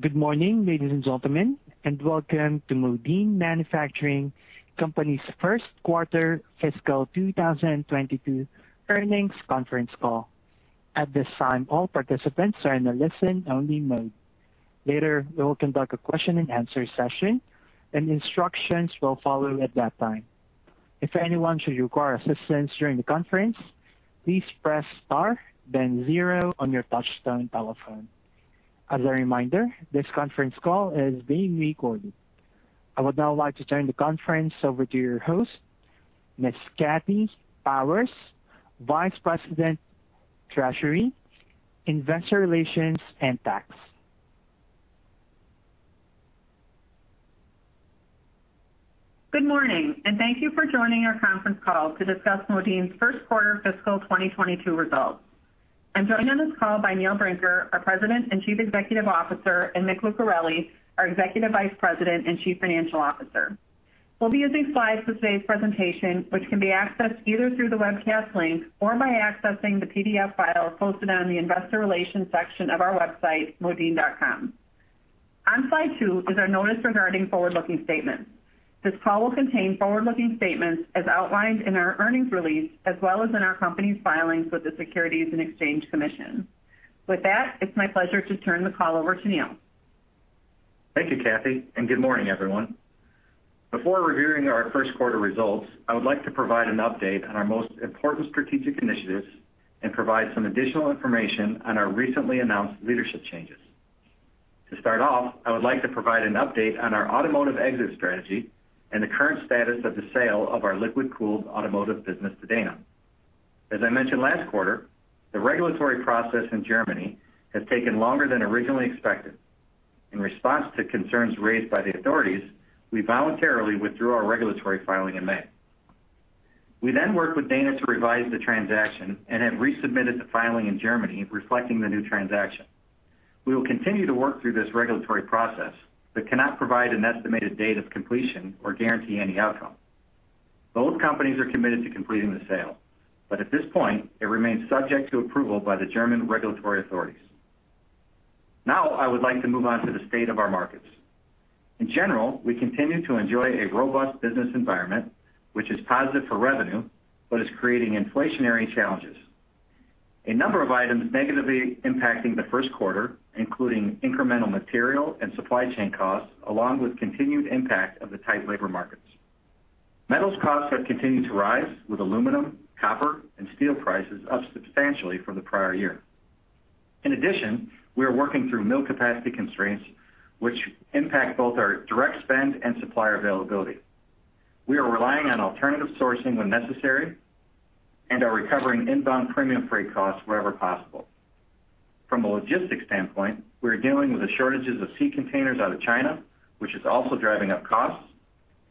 Good morning, ladies and gentlemen, and welcome to Modine Manufacturing Company's first quarter fiscal 2022 earnings conference call. At this time all participants are in listen only mode Later, we will contact a question and answer session and the instructions will follow at that time. If anyone should require assistance during the conference please press star then zero on your touch-tone telephone. As a reminder this conference is being recorded. I would now like to turn the conference over to your host, Ms. Kathy Powers, Vice President, Treasurer, Investor Relations, and Tax. Good morning, and thank you for joining our conference call to discuss Modine's first quarter fiscal 2022 results. I'm joined on this call by Neil Brinker, our President and Chief Executive Officer, and Mick Lucareli, our Executive Vice President and Chief Financial Officer. We'll be using slides for today's presentation, which can be accessed either through the webcast link or by accessing the PDF file posted on the investor relations section of our website, modine.com. On slide two is our notice regarding forward-looking statements. This call will contain forward-looking statements as outlined in our earnings release, as well as in our company's filings with the Securities and Exchange Commission. With that, it's my pleasure to turn the call over to Neil. Thank you, Kathy. Good morning, everyone. Before reviewing our first quarter results, I would like to provide an update on our most important strategic initiatives and provide some additional information on our recently announced leadership changes. To start off, I would like to provide an update on our automotive exit strategy and the current status of the sale of our liquid-cooled automotive business to Dana. As I mentioned last quarter, the regulatory process in Germany has taken longer than originally expected. In response to concerns raised by the authorities, we voluntarily withdrew our regulatory filing in May. We worked with Dana to revise the transaction and have resubmitted the filing in Germany reflecting the new transaction. We will continue to work through this regulatory process. We cannot provide an estimated date of completion or guarantee any outcome. Both companies are committed to completing the sale. At this point, it remains subject to approval by the German regulatory authorities. I would like to move on to the state of our markets. In general, we continue to enjoy a robust business environment, which is positive for revenue, but is creating inflationary challenges. A number of items negatively impacting the first quarter, including incremental material and supply chain costs, along with continued impact of the tight labor markets. Metals costs have continued to rise with aluminum, copper, and steel prices up substantially from the prior year. In addition, we are working through mill capacity constraints, which impact both our direct spend and supplier availability. We are relying on alternative sourcing when necessary and are recovering inbound premium freight costs wherever possible. From a logistics standpoint, we are dealing with the shortages of sea containers out of China, which is also driving up costs,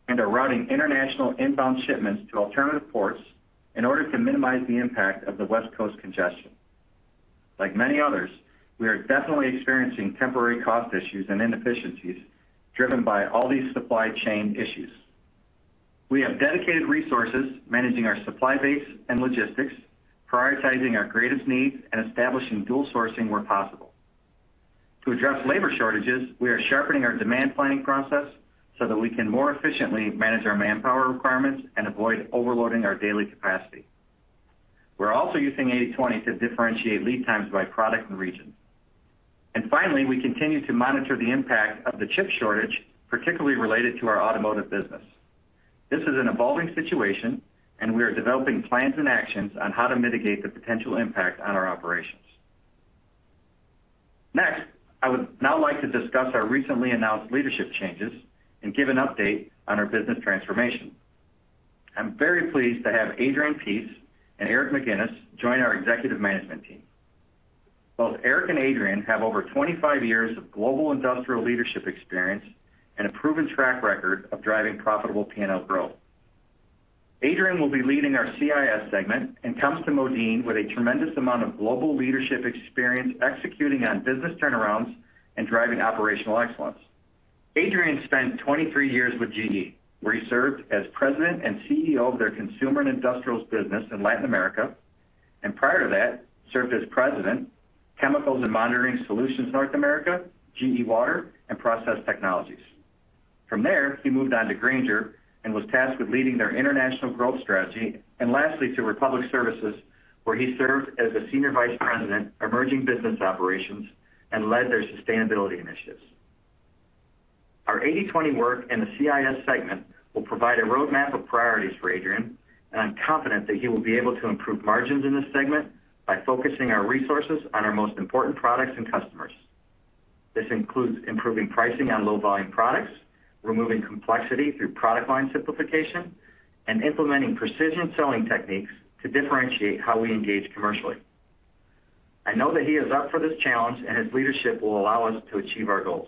and are routing international inbound shipments to alternative ports in order to minimize the impact of the West Coast congestion. Like many others, we are definitely experiencing temporary cost issues and inefficiencies driven by all these supply chain issues. We have dedicated resources managing our supply base and logistics, prioritizing our greatest needs, and establishing dual sourcing where possible. To address labor shortages, we are sharpening our demand planning process so that we can more efficiently manage our manpower requirements and avoid overloading our daily capacity. We're also using 80/20 to differentiate lead times by product and region. Finally, we continue to monitor the impact of the chip shortage, particularly related to our automotive business. This is an evolving situation, and we are developing plans and actions on how to mitigate the potential impact on our operations. Next, I would now like to discuss our recently announced leadership changes and give an update on our business transformation. I'm very pleased to have Adrian Peace and Eric McGinnis join our executive management team. Both Eric and Adrian have over 25 years of global industrial leadership experience and a proven track record of driving profitable P&L growth. Adrian will be leading our CIS segment and comes to Modine with a tremendous amount of global leadership experience executing on business turnarounds and driving operational excellence. Adrian spent 23 years with GE, where he served as President and CEO of their consumer and industrials business in Latin America, and prior to that, served as President, Chemicals and Monitoring Solutions North America, GE Water & Process Technologies. From there, he moved on to Grainger and was tasked with leading their international growth strategy, and lastly, to Republic Services, where he served as the Senior Vice President, Emerging Business Operations, and led their sustainability initiatives. Our 80/20 work in the CIS segment will provide a roadmap of priorities for Adrian, and I'm confident that he will be able to improve margins in this segment by focusing our resources on our most important products and customers. This includes improving pricing on low volume products, removing complexity through product line simplification, and implementing precision selling techniques to differentiate how we engage commercially. I know that he is up for this challenge, and his leadership will allow us to achieve our goals.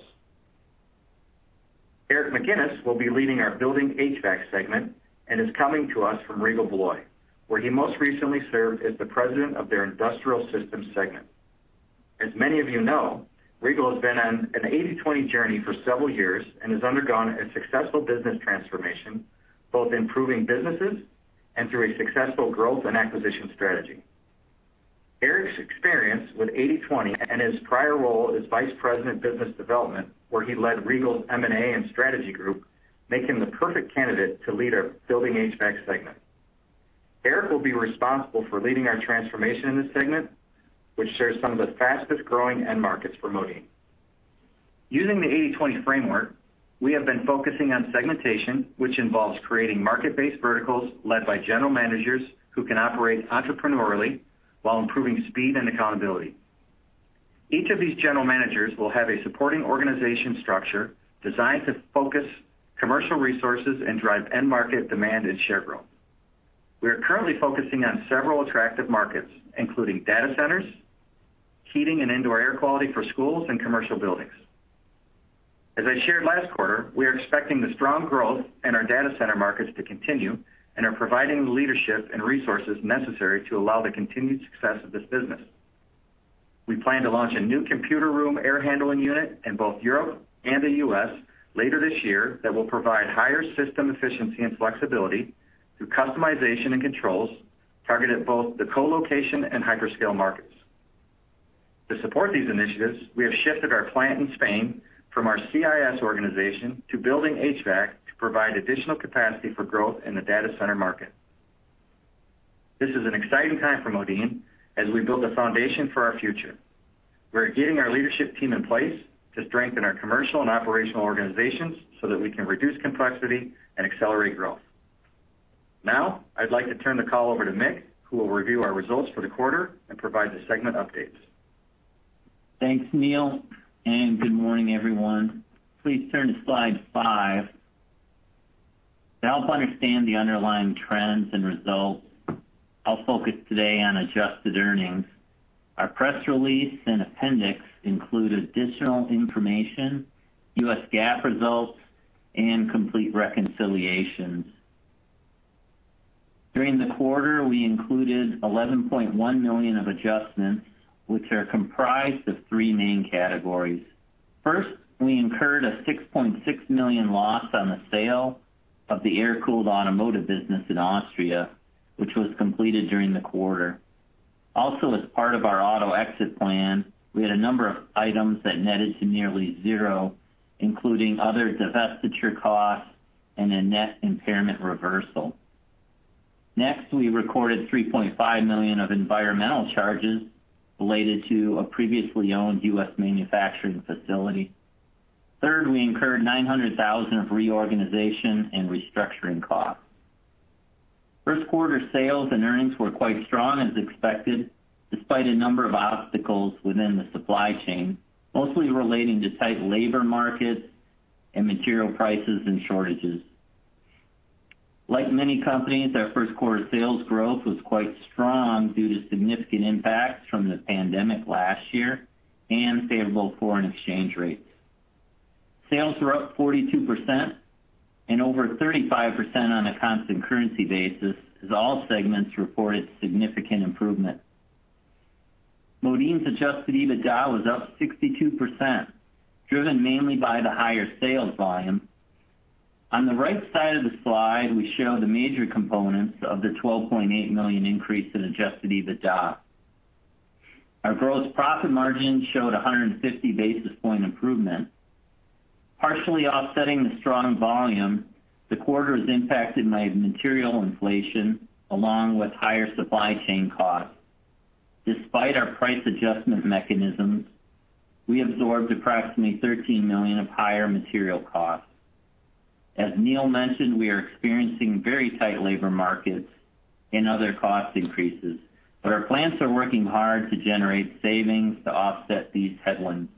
Eric McGinnis will be leading our Building HVAC segment and is coming to us from Regal Beloit, where he most recently served as the President of their Industrial Systems segment. As many of you know, Regal has been on an 80/20 journey for several years and has undergone a successful business transformation, both improving businesses and through a successful growth and acquisition strategy. Eric's experience with 80/20 and his prior role as Vice President of Business Development, where he led Regal's M&A and strategy group, make him the perfect candidate to lead our Building HVAC segment. Eric will be responsible for leading our transformation in this segment, which shares some of the fastest-growing end markets for Modine. Using the 80/20 framework, we have been focusing on segmentation, which involves creating market-based verticals led by general managers who can operate entrepreneurially while improving speed and accountability. Each of these general managers will have a supporting organization structure designed to focus commercial resources and drive end market demand and share growth. We are currently focusing on several attractive markets, including data centers, heating and indoor air quality for schools and commercial buildings. As I shared last quarter, we are expecting the strong growth in our data center markets to continue and are providing the leadership and resources necessary to allow the continued success of this business. We plan to launch a new computer room air handling unit in both Europe and the U.S. later this year that will provide higher system efficiency and flexibility through customization and controls, targeted at both the co-location and hyperscale markets. To support these initiatives, we have shifted our plant in Spain from our CIS organization to Building HVAC to provide additional capacity for growth in the data center market. This is an exciting time for Modine as we build the foundation for our future. We are getting our leadership team in place to strengthen our commercial and operational organizations so that we can reduce complexity and accelerate growth. Now, I'd like to turn the call over to Mick, who will review our results for the quarter and provide the segment updates. Thanks, Neil, and good morning, everyone. Please turn to slide five. To help understand the underlying trends and results, I'll focus today on adjusted earnings. Our press release and appendix include additional information, US GAAP results, and complete reconciliations. During the quarter, we included $11.1 million of adjustments, which are comprised of three main categories. First, we incurred a $6.6 million loss on the sale of the air-cooled automotive business in Austria, which was completed during the quarter. As part of our auto exit plan, we had a number of items that netted to nearly zero, including other divestiture costs and a net impairment reversal. We recorded $3.5 million of environmental charges related to a previously owned U.S. manufacturing facility. We incurred $900,000 of reorganization and restructuring costs. First quarter sales and earnings were quite strong as expected, despite a number of obstacles within the supply chain, mostly relating to tight labor markets and material prices and shortages. Like many companies, our first quarter sales growth was quite strong due to significant impacts from the pandemic last year and favorable foreign exchange rates. Sales were up 42% and over 35% on a constant currency basis, as all segments reported significant improvement. Modine's Adjusted EBITDA was up 62%, driven mainly by the higher sales volume. On the right side of the slide, we show the major components of the $12.8 million increase in Adjusted EBITDA. Our gross profit margin showed 150-basis-point improvement. Partially offsetting the strong volume, the quarter is impacted by material inflation, along with higher supply chain costs. Despite our price adjustment mechanisms, we absorbed approximately $13 million of higher material costs. As Neil mentioned, we are experiencing very tight labor markets and other cost increases, but our plants are working hard to generate savings to offset these headwinds.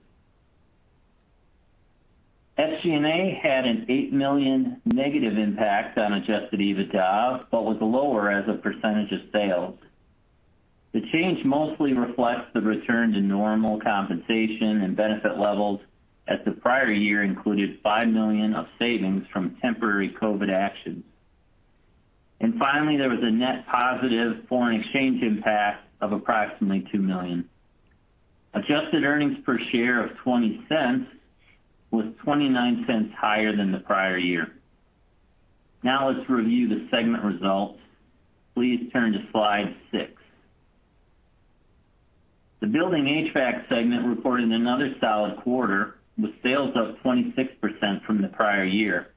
SG&A had an $8 million negative impact on Adjusted EBITDA but was lower as a percentage of sales. The change mostly reflects the return to normal compensation and benefit levels, as the prior year included $5 million of savings from temporary COVID actions. Finally, there was a net positive foreign exchange impact of approximately $2 million. Adjusted earnings per share of $0.20 was $0.29 higher than the prior year. Let's review the segment results. Please turn to slide 6. The Building HVAC segment reported another solid quarter with sales up 26% from the prior year.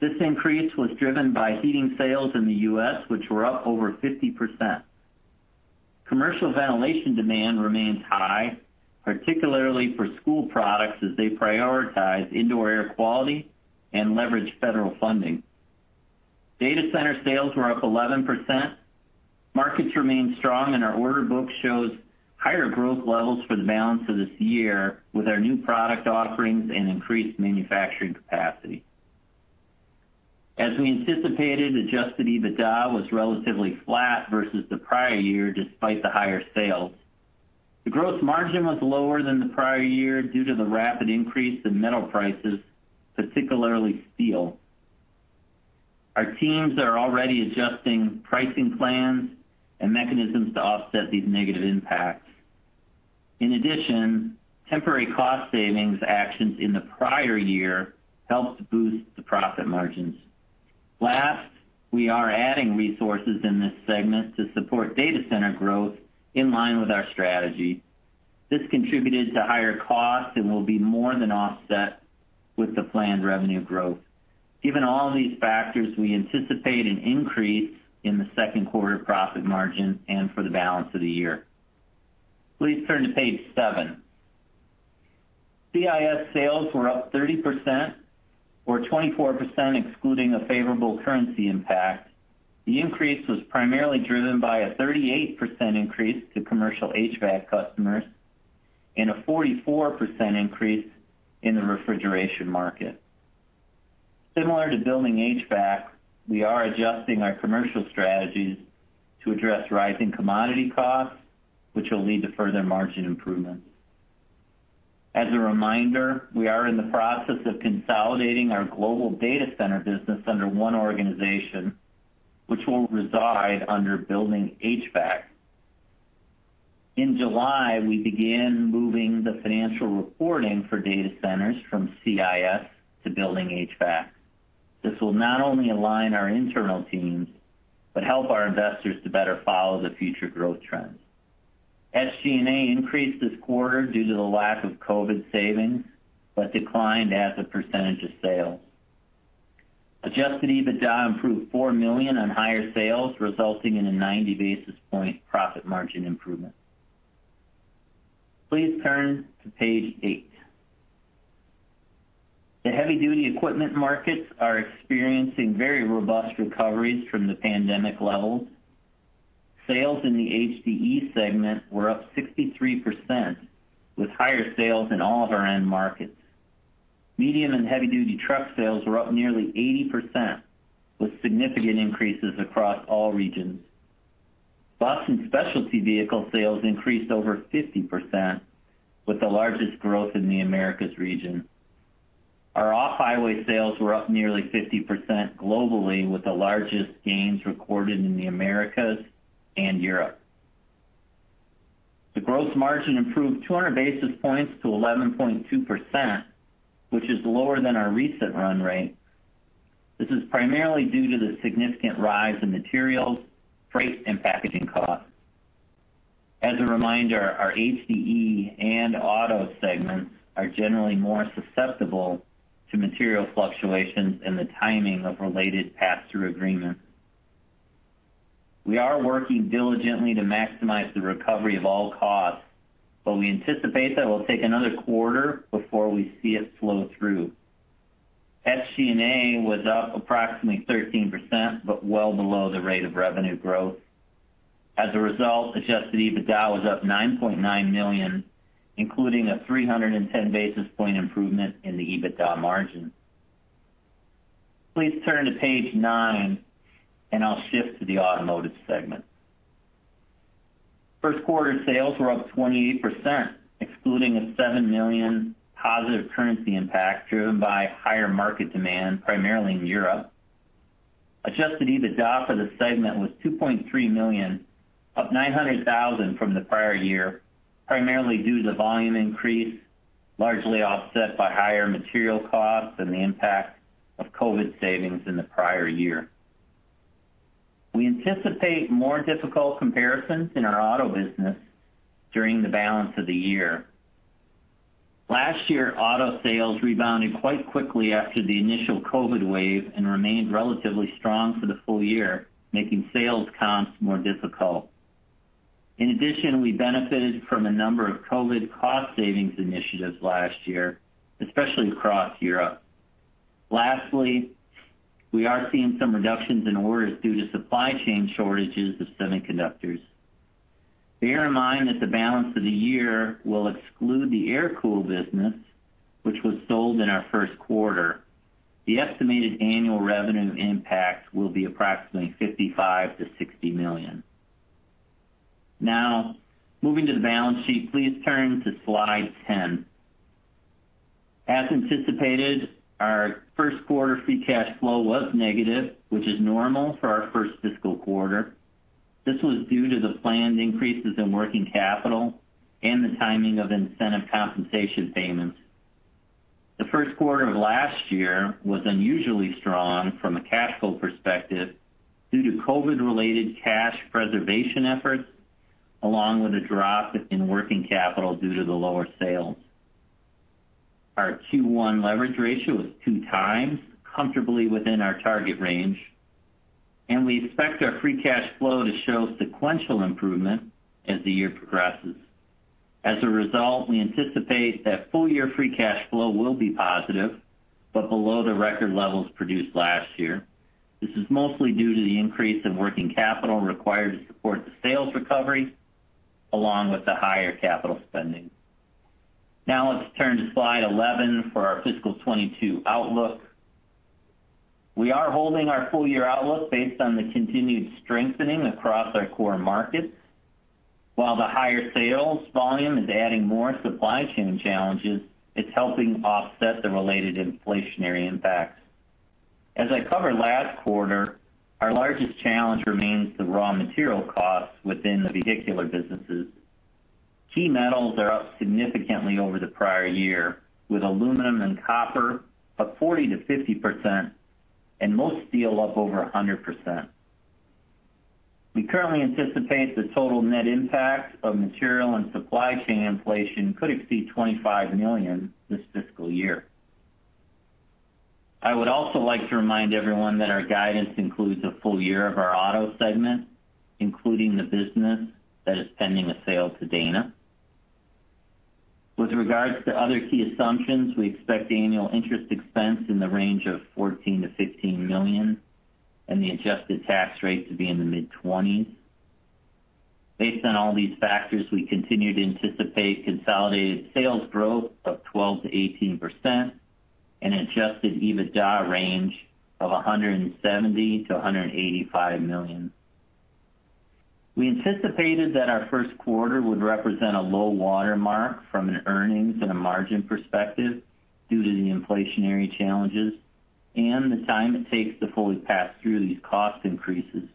This increase was driven by heating sales in the U.S., which were up over 50%. Commercial ventilation demand remains high, particularly for school products as they prioritize indoor air quality and leverage federal funding. Data center sales were up 11%. Markets remain strong, and our order book shows higher growth levels for the balance of this year with our new product offerings and increased manufacturing capacity. As we anticipated, Adjusted EBITDA was relatively flat versus the prior year despite the higher sales. The gross margin was lower than the prior year due to the rapid increase in metal prices, particularly steel. Our teams are already adjusting pricing plans and mechanisms to offset these negative impacts. In addition, temporary cost savings actions in the prior year helped boost the profit margins. Last, we are adding resources in this segment to support data center growth in line with our strategy. This contributed to higher costs and will be more than offset with the planned revenue growth. Given all these factors, we anticipate an increase in the 2nd quarter profit margin and for the balance of the year. Please turn to page 7. CIS sales were up 30%, or 24% excluding a favorable currency impact. The increase was primarily driven by a 38% increase to commercial HVAC customers and a 44% increase in the refrigeration market. Similar to Building HVAC, we are adjusting our commercial strategies to address rising commodity costs, which will lead to further margin improvements. As a reminder, we are in the process of consolidating our global data center business under one organization, which will reside under Building HVAC. In July, we began moving the financial reporting for data centers from CIS to Building HVAC. This will not only align our internal teams, but help our investors to better follow the future growth trends. SG&A increased this quarter due to the lack of COVID savings, but declined as a percentage of sales. Adjusted EBITDA improved $4 million on higher sales, resulting in a 90 basis point profit margin improvement. Please turn to page eight. The heavy-duty equipment markets are experiencing very robust recoveries from the pandemic levels. Sales in the HDE segment were up 63%, with higher sales in all of our end markets. Medium and heavy-duty truck sales were up nearly 80%, with significant increases across all regions. Bus and specialty vehicle sales increased over 50%, with the largest growth in the Americas region. Our off-highway sales were up nearly 50% globally, with the largest gains recorded in the Americas and Europe. The growth margin improved 200 basis points to 11.2%, which is lower than our recent run rate. This is primarily due to the significant rise in materials, freight, and packaging costs. As a reminder, our HDE and auto segments are generally more susceptible to material fluctuations and the timing of related pass-through agreements. We are working diligently to maximize the recovery of all costs, but we anticipate that will take another quarter before we see it flow through. SG&A was up approximately 13%, but well below the rate of revenue growth. As a result, Adjusted EBITDA was up $9.9 million, including a 310 basis point improvement in the EBITDA margin. Please turn to page nine, and I'll shift to the automotive segment. First quarter sales were up 28%, excluding a $7 million positive currency impact driven by higher market demand, primarily in Europe. Adjusted EBITDA for the segment was $2.3 million, up $900,000 from the prior year, primarily due to volume increase, largely offset by higher material costs and the impact of COVID savings in the prior year. We anticipate more difficult comparisons in our auto business during the balance of the year. Last year, auto sales rebounded quite quickly after the initial COVID wave and remained relatively strong for the full year, making sales comps more difficult. In addition, we benefited from a number of COVID cost savings initiatives last year, especially across Europe. Lastly, we are seeing some reductions in orders due to supply chain shortages of semiconductors. Bear in mind that the balance of the year will exclude the air-cooled business, which was sold in our first quarter. The estimated annual revenue impact will be approximately $55 million-$60 million. Moving to the balance sheet. Please turn to slide 10. As anticipated, our first quarter free cash flow was negative, which is normal for our first fiscal quarter. This was due to the planned increases in working capital and the timing of incentive compensation payments. The first quarter of last year was unusually strong from a cash flow perspective due to COVID-related cash preservation efforts, along with a drop in working capital due to the lower sales. Our Q1 leverage ratio was 2x, comfortably within our target range. We expect our free cash flow to show sequential improvement as the year progresses. As a result, we anticipate that full-year free cash flow will be positive, but below the record levels produced last year. This is mostly due to the increase in working capital required to support the sales recovery, along with the higher capital spending. Now let's turn to slide 11 for our fiscal 2022 outlook. We are holding our full-year outlook based on the continued strengthening across our core markets. While the higher sales volume is adding more supply chain challenges, it's helping offset the related inflationary impacts. I covered last quarter, our largest challenge remains the raw material costs within the vehicular businesses. Key metals are up significantly over the prior year, with aluminum and copper up 40%-50%, and most steel up over 100%. We currently anticipate the total net impact of material and supply chain inflation could exceed $25 million this fiscal year. I would also like to remind everyone that our guidance includes a full year of our auto segment, including the business that is pending a sale to Dana. With regards to other key assumptions, we expect annual interest expense in the range of $14 million-$16 million, and the adjusted tax rate to be in the mid-20s. Based on all these factors, we continue to anticipate consolidated sales growth of 12%-18%, and Adjusted EBITDA range of $170 million-$185 million. We anticipated that our first quarter would represent a low watermark from an earnings and a margin perspective due to the inflationary challenges and the time it takes to fully pass through these cost increases.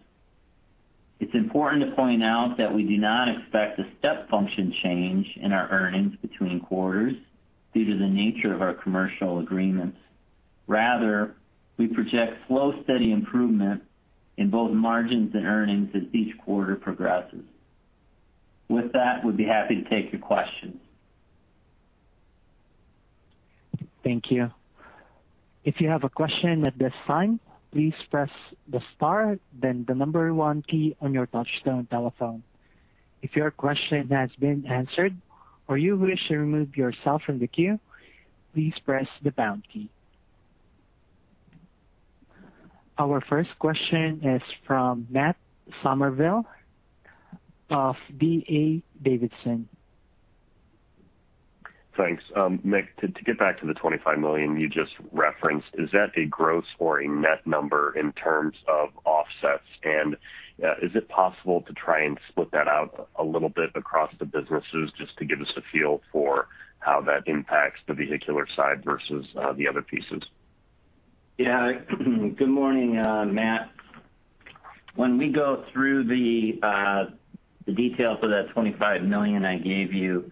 It's important to point out that we do not expect a step function change in our earnings between quarters due to the nature of our commercial agreements. Rather, we project slow, steady improvement in both margins and earnings as each quarter progresses. With that, we'd be happy to take your questions. Thank you. If you have a question this time, please press the star then the number one key on your touch-tone telephone. If your question has been answered or you wish to remove yourself from the queue, please press the pound key. Our first question is from Matt Summerville of D.A. Davidson. Thanks. Mick, to get back to the $25 million you just referenced, is that a gross or a net number in terms of offsets? Is it possible to try and split that out a little bit across the businesses, just to give us a feel for how that impacts the vehicular side versus the other pieces? Yeah. Good morning, Matt. When we go through the details of that $25 million I gave you,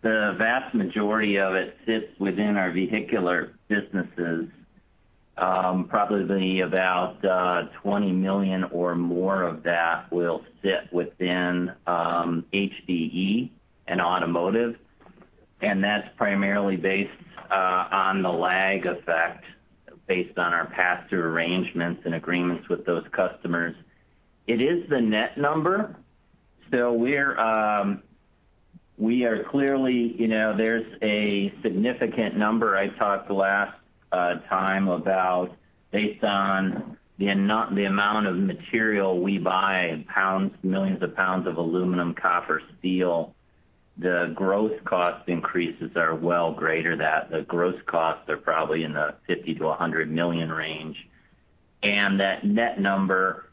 the vast majority of it sits within our vehicular businesses. Probably about $20 million or more of that will sit within HDE and automotive, that's primarily based on the lag effect based on our pass-through arrangements and agreements with those customers. It is the net number. There's a significant number I talked last time about based on the amount of material we buy in millions of pounds of aluminum, copper, steel. The gross cost increases are well greater than that. The gross costs are probably in the $50 million-$100 million range. That net number,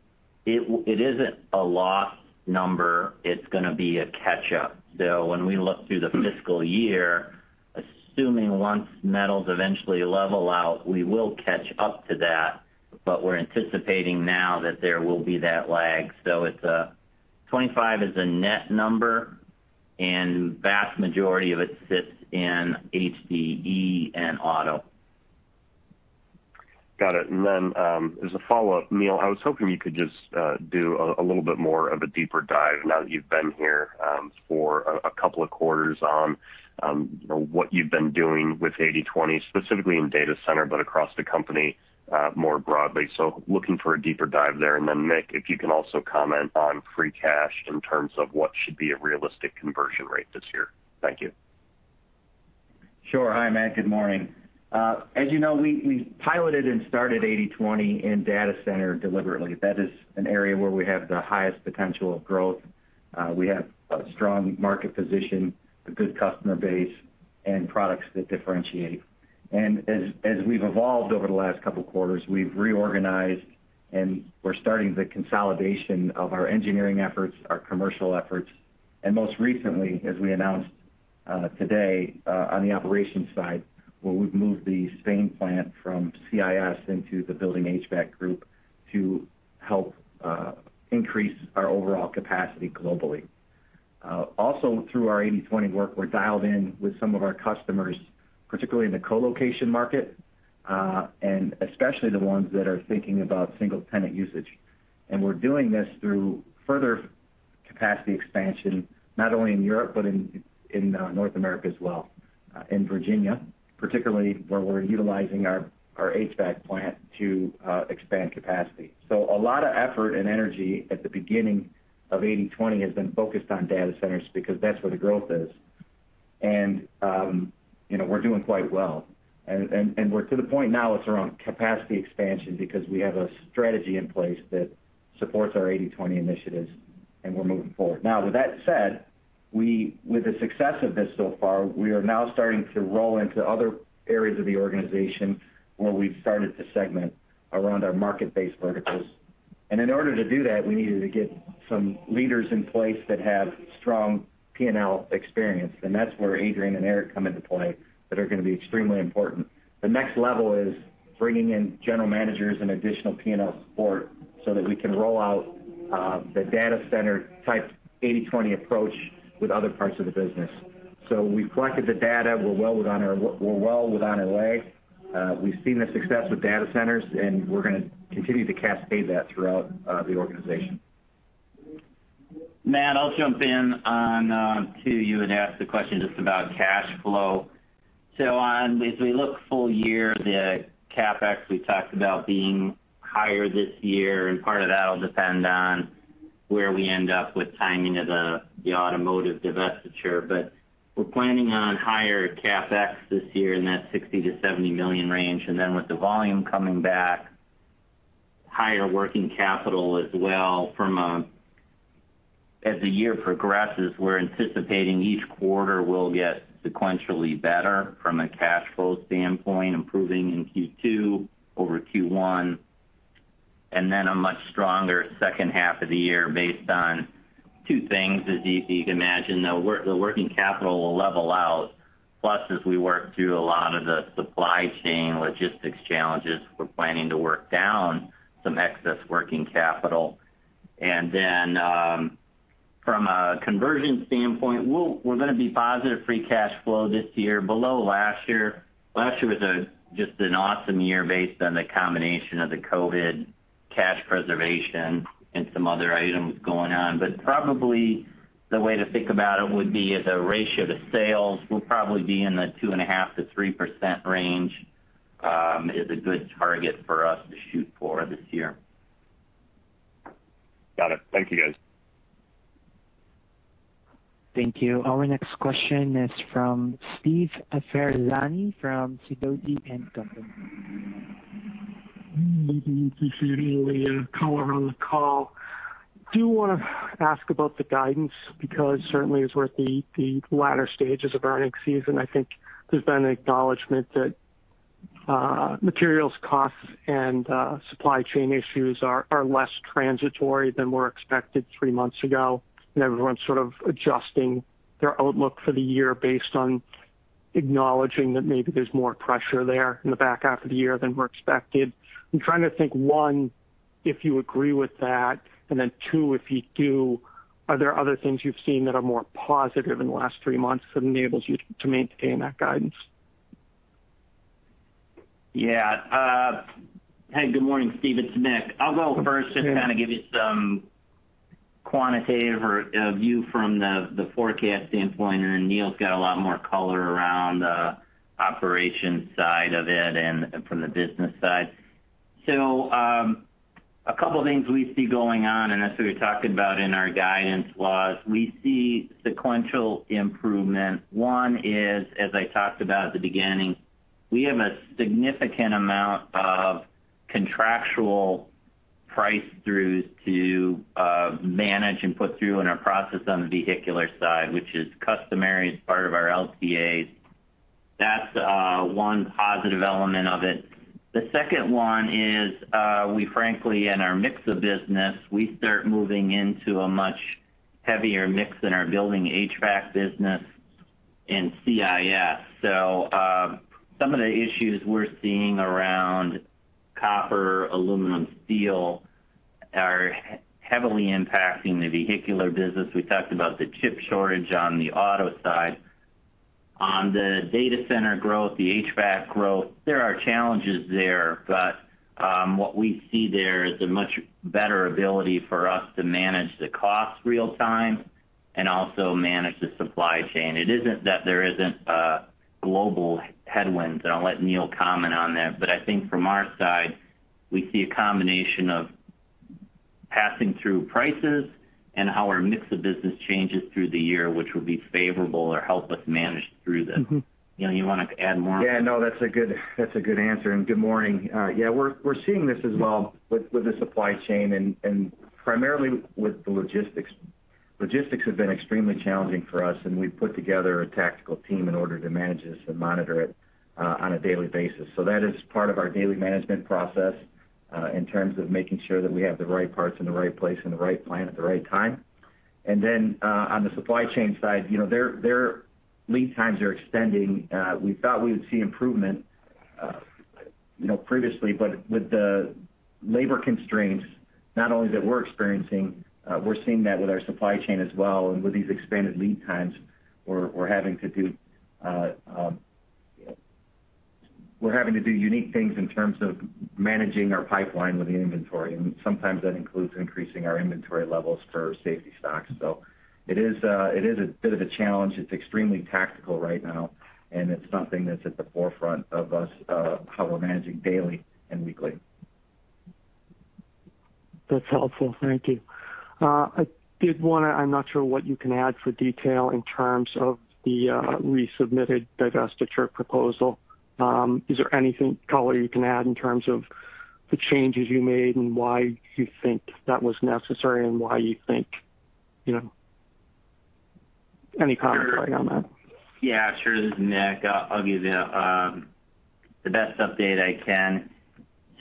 it isn't a loss number, it's going to be a catch-up. When we look through the fiscal year, assuming once metals eventually level out, we will catch up to that. We're anticipating now that there will be that lag. $25 is a net number, and vast majority of it sits in HDE and auto. As a follow-up, Neil, I was hoping you could just do a little bit more of a deeper dive now that you've been here for a couple of quarters on what you've been doing with 80/20, specifically in data center, but across the company more broadly. Looking for a deeper dive there. Mick, if you can also comment on free cash in terms of what should be a realistic conversion rate this year. Thank you. Sure. Hi, Matt. Good morning. As you know, we piloted and started 80/20 in data center deliberately. That is an area where we have the highest potential of growth. We have a strong market position, a good customer base, and products that differentiate. As we've evolved over the last couple of quarters, we've reorganized, and we're starting the consolidation of our engineering efforts, our commercial efforts, and most recently, as we announced today on the operations side, where we've moved the Spain plant from CIS into the Building HVAC group to help increase our overall capacity globally. Also through our 80/20 work, we're dialed in with some of our customers, particularly in the co-location market, and especially the ones that are thinking about single tenant usage. We're doing this through further capacity expansion, not only in Europe, but in North America as well. In Virginia, particularly where we're utilizing our HVAC plant to expand capacity. A lot of effort and energy at the beginning of 80/20 has been focused on data centers because that's where the growth is. We're doing quite well. We're to the point now it's around capacity expansion because we have a strategy in place that supports our 80/20 initiatives, and we're moving forward. Now, with that said, with the success of this so far, we are now starting to roll into other areas of the organization where we've started to segment around our market-based verticals. In order to do that, we needed to get some leaders in place that have strong P&L experience, and that's where Adrian and Eric come into play, that are going to be extremely important. The next level is bringing in general managers and additional P&L support so that we can roll out the data center type 80/20 approach with other parts of the business. We've collected the data. We're well on our way. We've seen the success with data centers, and we're going to continue to cascade that throughout the organization. Matt, I'll jump in on, you had asked the question just about cash flow. As we look full year, the CapEx we talked about being higher this year, and part of that'll depend on where we end up with timing of the automotive divestiture. We're planning on higher CapEx this year in that $60 million-$70 million range, and then with the volume coming back, higher working capital as well. As the year progresses, we're anticipating each quarter will get sequentially better from a cash flow standpoint, improving in Q2 over Q1, and then a much stronger second half of the year based on two things. As you can imagine, the working capital will level out. Plus, as we work through a lot of the supply chain logistics challenges, we're planning to work down some excess working capital. From a conversion standpoint, we're going to be positive free cash flow this year, below last year. Last year was just an awesome year based on the combination of the COVID cash preservation and some other items going on. Probably the way to think about it would be as a ratio to sales, we'll probably be in the 2.5%-3% range, is a good target for us to shoot for this year. Got it. Thank you, guys. Thank you. Our next question is from Steve Ferazani from Sidoti & Co. Good evening. I appreciate Neil and color on the call. I do want to ask about the guidance because certainly as we're at the latter stages of earnings season, I think there's been an acknowledgement that materials costs and supply chain issues are less transitory than were expected three months ago, and everyone's sort of adjusting their outlook for the year based on acknowledging that maybe there's more pressure there in the back half of the year than were expected. I'm trying to think, one, if you agree with that, and then two, if you do, are there other things you've seen that are more positive in the last three months that enables you to maintain that guidance? Yeah. Hey, good morning, Steve. It's Mick. I'll go first. Sure. Just to kind of give you some quantitative or view from the forecast standpoint, and then Neil's got a lot more color around the operations side of it and from the business side. A couple things we see going on, and as we were talking about in our guidance, was we see sequential improvement. One is, as I talked about at the beginning, we have a significant amount of contractual price throughs to manage and put through in our process on the vehicular side, which is customary as part of our LTAs. That's one positive element of it. The second one is, we frankly, in our mix of business, we start moving into a much heavier mix in our Building HVAC business and CIS. Some of the issues we're seeing around copper, aluminum, steel are heavily impacting the vehicular business. We talked about the chip shortage on the auto side. On the data center growth, the HVAC growth, there are challenges there, but what we see there is a much better ability for us to manage the cost real time and also manage the supply chain. It isn't that there isn't a global headwind, and I'll let Neil comment on that, but I think from our side, we see a combination of passing through prices and how our mix of business changes through the year, which will be favorable or help us manage through this. Neil, you want to add more? Yeah, no, that's a good answer. Good morning. Yeah, we're seeing this as well with the supply chain and primarily with the logistics. Logistics have been extremely challenging for us. We've put together a tactical team in order to manage this and monitor it on a daily basis. That is part of our daily management process, in terms of making sure that we have the right parts in the right place and the right plan at the right time. On the supply chain side, their lead times are extending. We thought we would see improvement previously, but with the labor constraints, not only that we're experiencing, we're seeing that with our supply chain as well, and with these expanded lead times, we're having to do unique things in terms of managing our pipeline with the inventory, and sometimes that includes increasing our inventory levels for safety stocks. It is a bit of a challenge. It's extremely tactical right now, and it's something that's at the forefront of us, how we're managing daily and weekly. That's helpful. Thank you. I'm not sure what you can add for detail in terms of the resubmitted divestiture proposal. Is there anything, color you can add in terms of the changes you made and why you think that was necessary? Any comments on that? Yeah, sure. This is Mick. I'll give you the best update I can.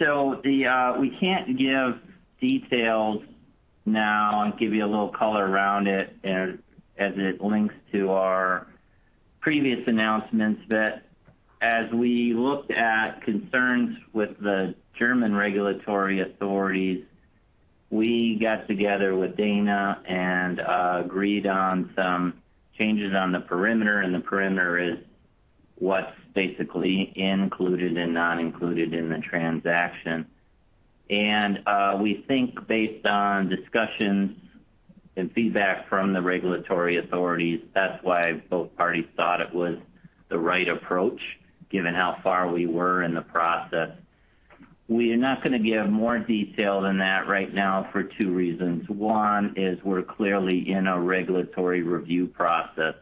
We can't give details now and give you a little color around it as it links to our previous announcements that as we looked at concerns with the German regulatory authorities, we got together with Dana and agreed on some changes on the perimeter, and the perimeter is what's basically included and not included in the transaction. We think based on discussions and feedback from the regulatory authorities, that's why both parties thought it was the right approach, given how far we were in the process. We are not going to give more detail than that right now for two reasons. One is we're clearly in a regulatory review process.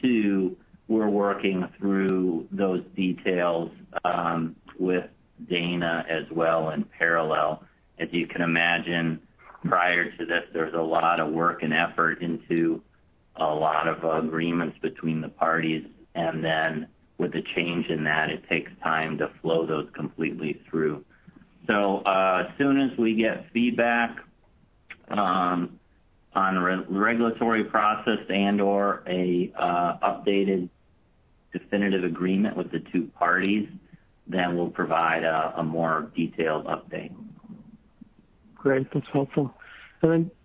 Two, we're working through those details with Dana as well in parallel. As you can imagine, prior to this, there was a lot of work and effort into a lot of agreements between the parties. With the change in that, it takes time to flow those completely through. As soon as we get feedback on regulatory process and/or an updated definitive agreement with the two parties, then we'll provide a more detailed update. Great. That's helpful.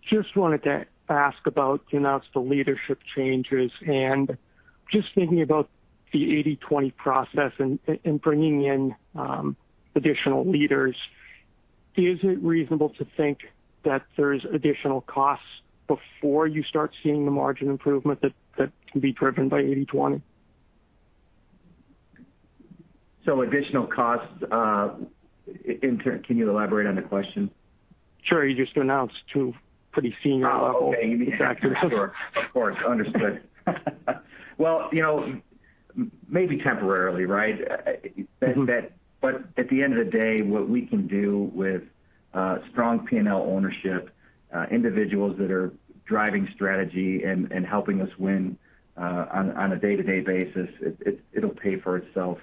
Just wanted to ask about, you announced the leadership changes and just thinking about the 80/20 process and bringing in additional leaders, is it reasonable to think that there's additional costs before you start seeing the margin improvement that can be driven by 80/20? Additional costs, can you elaborate on the question? Sure. You just announced two pretty senior level- Oh, okay. executives. Sure. Of course. Understood. Well, maybe temporarily, right? At the end of the day, what we can do with strong P&L ownership, individuals that are driving strategy and helping us win on a day-to-day basis, it'll pay for itself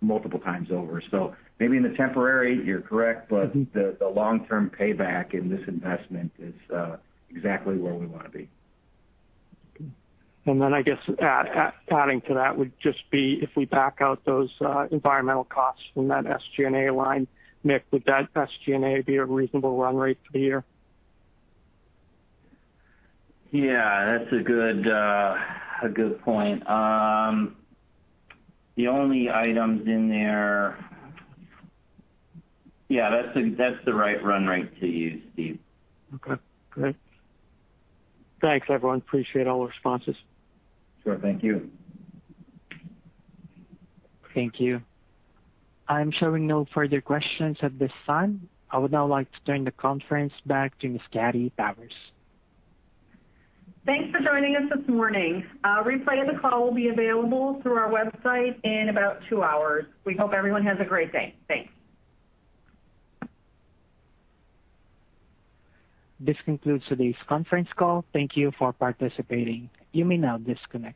multiple times over. Maybe in the temporary, you're correct. The long-term payback in this investment is exactly where we want to be. I guess adding to that would just be if we back out those environmental costs from that SG&A line, Mick, would that SG&A be a reasonable run rate for the year? Yeah, that's a good point. The only items in there Yeah, that's the right run rate to use, Steve. Okay, great. Thanks, everyone. Appreciate all the responses. Sure. Thank you. Thank you. I'm showing no further questions at this time. I would now like to turn the conference back to Ms. Kathy Powers. Thanks for joining us this morning. A replay of the call will be available through our website in about two hours. We hope everyone has a great day. Thanks. This concludes today's conference call. Thank you for participating. You may now disconnect.